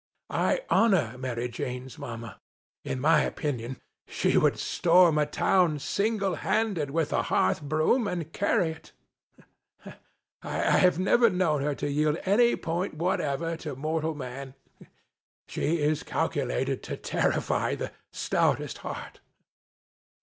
I honour Maria Jane's Mama. In my opinion she would storm a town, single handed, with a hearth broom, and carry it. I have never known her to yield any point whatever, to mortal man. She is calculated to terrify the stoutest heart.